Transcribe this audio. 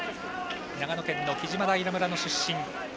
長野県の木島平村の出身。